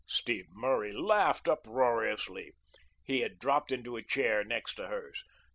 Steve Murray laughed uproariously. He had dropped into a chair next to hers.